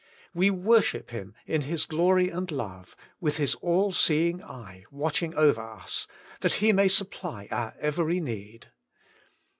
We "viK>rsliip Him in His glory and love, with His all seeing eye watching over us, that He may supply our every need.